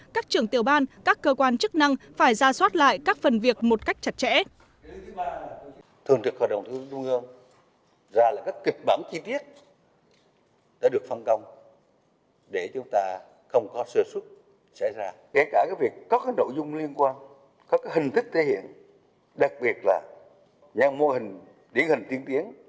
các trưởng tiểu ban các cơ quan chức năng phải ra soát lại các phần việc một cách chặt chẽ